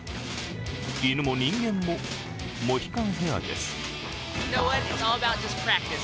犬も人間もモヒカンヘアです。